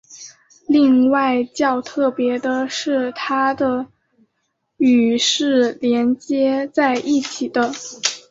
另外较特别的是它的与是连接在一起的。